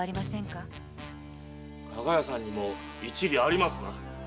加賀屋さんにも一理ありますな。